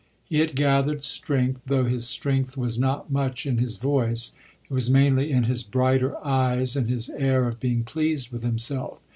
He had gathered strength, though this strength was not much in his voice; it was mainly in his brighter eyes and his air of being pleased with himself.